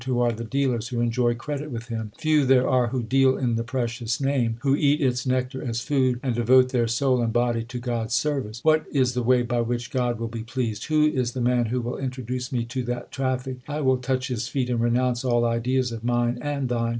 Who are the dealers who enjoy credit with Him ? Few there are who deal in the precious Name, Who eat its nectar as food, And devote their soul and body to God s service. What is the way by which God will be pleased ? Who is the man who will introduce me to that traffic ? I will touch his feet and renounce all ideas of mine and thine.